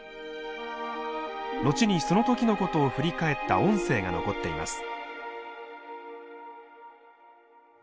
後にその時のことを振り返った音声が残っています。